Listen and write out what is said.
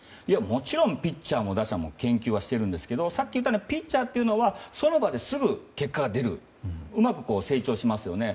もちろんピッチャーも打者も研究してるんですがピッチャーというのはその場ですぐ結果が出るうまく成長しますよね。